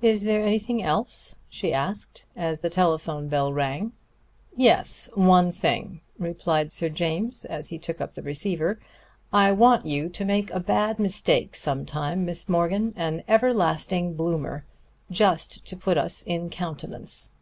"Is there anything else?" she asked, as the telephone bell rang. "Yes, one thing," replied Sir James as he took up the receiver. "I want you to make a bad mistake some time, Miss Morgan; an everlasting bloomer just to put us in countenance."